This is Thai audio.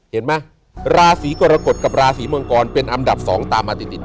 เห็นมั้ยราศรีกรกฏกับราศรีมังกรเป็นอัมดับสองตามมาติด